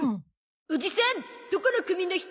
おじさんどこの組の人？